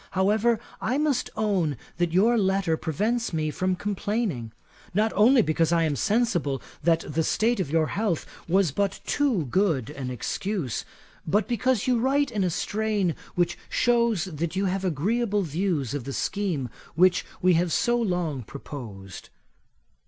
However, I must own that your letter prevents me from complaining; not only because I am sensible that the state of your health was but too good an excuse, but because you write in a strain which shews that you have agreeable views of the scheme which we have so long proposed.